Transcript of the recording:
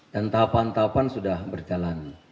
dan tahapan tahapan sudah berjalan